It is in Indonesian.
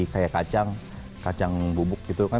kayak kacang kacang bubuk gitu kan